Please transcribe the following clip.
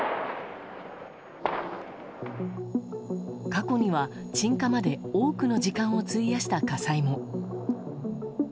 過去には鎮火まで多くの時間を費やした火災も。